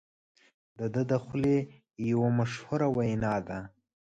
د ده د خولې یوه مشهوره وینا ده.